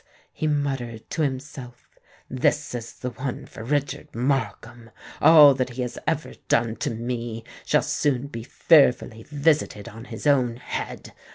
he muttered to himself: "this is the one for Richard Markham! All that he has ever done to me shall soon be fearfully visited on his own head!